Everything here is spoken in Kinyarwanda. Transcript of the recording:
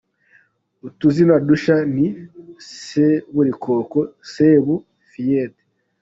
Utuzina dushya ni Seburikoko, Sebu, Fierté.